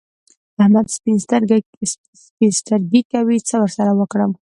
احمد سپين سترګي کوي؛ څه ور سره وکړم؟!